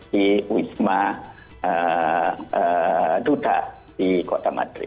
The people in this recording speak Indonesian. di wisma duda di km